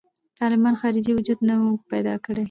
طالبانو خارجي وجود نه و پیدا کړی.